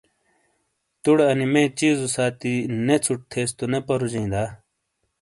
توڑے انی مے چیزو ساتی نے ژھُٹ تھیس تو نے پرُوجئیں دا؟